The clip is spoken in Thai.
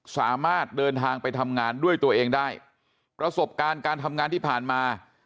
สามารถเดินทางไปทำงานด้วยตัวเองได้ประสบการณ์การทำงานที่ผ่านมา